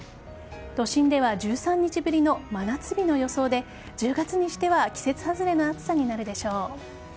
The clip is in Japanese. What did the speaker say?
都心では１３日ぶりの真夏日の予想で１０月にしては季節外れの暑さになるでしょう。